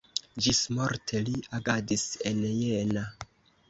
Ĝismorte li agadis en Jena.